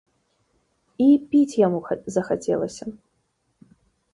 І піць яму захацелася.